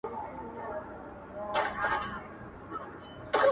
پر دې گناه خو ربه راته ثواب راکه.